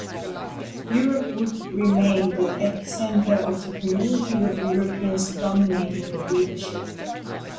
Europe would remain the epicenter of the community with Europeans dominating the leadership.